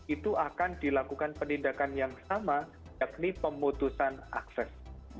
itu akan dilakukan penindakan yang sama yakni pemutusan akses